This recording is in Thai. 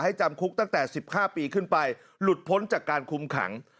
จำคุกตั้งแต่๑๕ปีขึ้นไปหลุดพ้นจากการคุมขัง